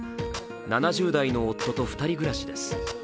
７０代の夫と２人暮らしです。